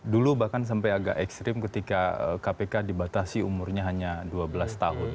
dulu bahkan sampai agak ekstrim ketika kpk dibatasi umurnya hanya dua belas tahun